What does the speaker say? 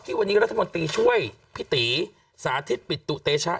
วันนี้รัฐมนตรีช่วยพี่ตีสาธิตปิตุเตชะ